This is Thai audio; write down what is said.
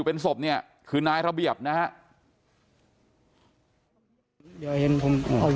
พอวัวไปกินหญ้าอะไรเสร็จเรียบร้อยเสร็จเรียบร้อย